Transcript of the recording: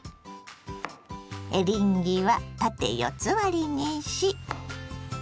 エリンギは縦四つ割りにし。